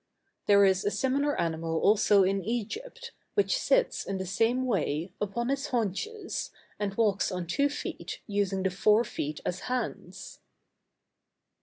There is a similar animal also in Egypt, which sits in the same way, upon its haunches, and walks on two feet, using the fore feet as hands.